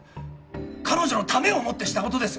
彼女のためを思ってした事です！